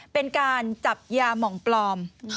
เป็นการจับยาหม่องปลอม